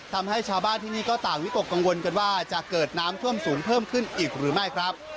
ทำให้ชาวบ้านที่นี่ก็ต่างวิตกกังวลกันว่าจะเกิดน้ำท่วมสูงเพิ่มขึ้นอีกหรือไม่ครับ